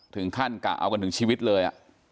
ถึงขั้นกะเอากันถึงชีวิตเลย